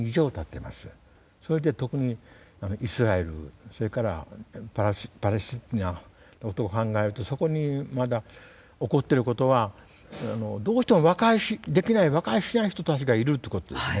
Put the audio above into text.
それで特にイスラエルそれからパレスチナのことを考えるとそこにまだ起こってることはどうしても和解できない和解し合えない人たちがいるってことですね。